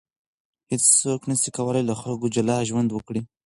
هیڅوک نسي کولای له خلکو جلا ژوند وکړي.